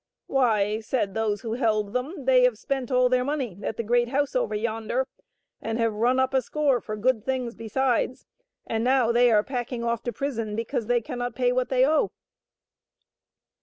" Why," said those who held them, " they have spent all their money at the great house over yonder, and have run up a score for good things besides, and now they are packing off to prison because they cannot pay what they owe."